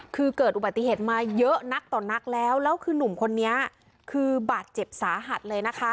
คือเกิดอุบัติเหตุมาเยอะนักต่อนักแล้วแล้วคือนุ่มคนนี้คือบาดเจ็บสาหัสเลยนะคะ